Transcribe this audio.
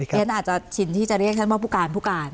เดี้วยังอาจจะชินที่จะเรียกเช่นนั้นว่าผู้การผู้การ